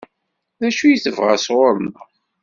D acu i tebɣa sɣur-neɣ?